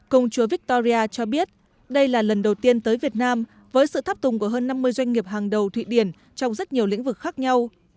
công chúa victoria cho biết đây là lần đầu tiên tới việt nam với sự thắp tùng của hơn năm mươi doanh nghiệp hàng đầu thụy điển trong rất nhiều lĩnh vực khác nhau